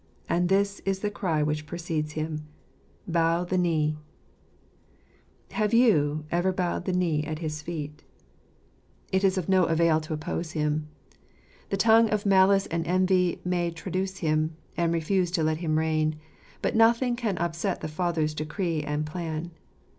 And this is the cry which precedes Him, "Bow the kneel" Have you ever bowed the knee at his feet ? It is of no SHjc Worlii'a J&ecii. 77 avail to oppose Him. The tongue of malice and envy may traduce Him, and refuse to let Him reign. But nothing can upset the Father's decree and plan.